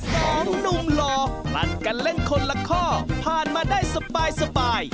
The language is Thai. ของหนุ่มหล่อผลัดกันเล่นคนละข้อผ่านมาได้สบาย